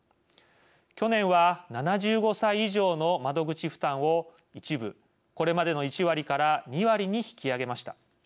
去年は７５歳以上の窓口負担を一部これまでの１割から２割に引き上げました。